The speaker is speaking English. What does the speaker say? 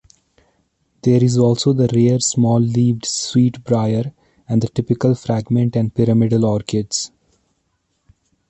There is also the rare small-leaved sweet-briar, and the typical fragrant and pyramidal orchids.